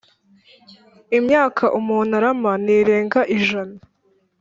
imyaka umuntu arama ntirenga ijana